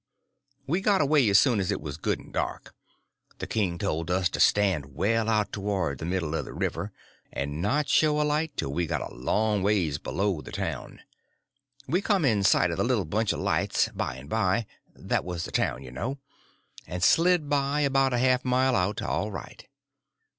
We got away as soon as it was good and dark. The king told us to stand well out towards the middle of the river, and not show a light till we got a long ways below the town. We come in sight of the little bunch of lights by and by—that was the town, you know—and slid by, about a half a mile out, all right.